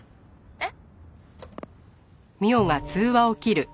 「えっ？」